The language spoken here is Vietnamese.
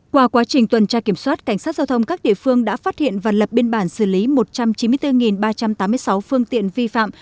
qua quá trình tuần tra kiểm soát cảnh sát giao thông các địa phương đã phát hiện và lập biên bản xử lý một trăm chín mươi bốn ba trăm tám mươi sáu phương tiện vi phạm